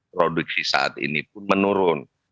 produksi saat ini pun menurun